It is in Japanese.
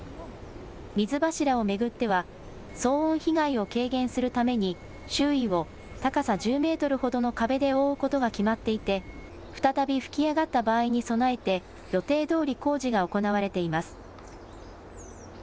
水柱を巡っては騒音被害を軽減するために周囲を高さ１０メートルほどの壁で覆うことが決まっていて再び噴き上がった場合に備えて予定どおり工事が行われています。